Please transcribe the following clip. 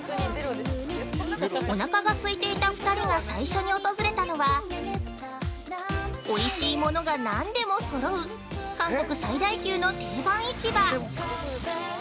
お腹が空いていた２人が最初に訪れたのはおいしいものがなんでも揃う韓国最大級の定番市場。